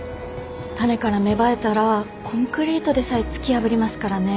種から芽生えたらコンクリートでさえ突き破りますからね。